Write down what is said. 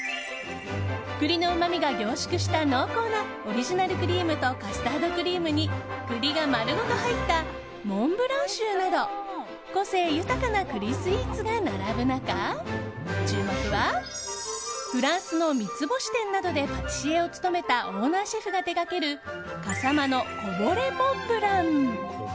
栗のうまみが凝縮した濃厚なオリジナルクリームとカスタードクリームに栗が丸ごと入ったＭｏｎｔＢｌａｎｃＣｈｏｕなど個性豊かな栗スイーツが並ぶ中注目はフランスの三つ星店などでパティシエを務めたオーナーシェフが手掛ける笠間のこぼれモンブラン。